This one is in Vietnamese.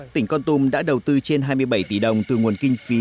tỉnh con tum đã đầu tư trên hai mươi bảy tỷ đồng từ nguồn kinh phí